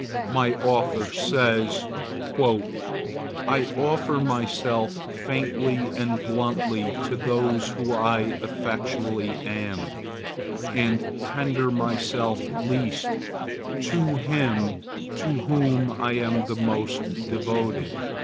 My author says,—"I offer myself faintly and bluntly to those whose I effectually am, and tender myself least to him to whom I am the most devoted."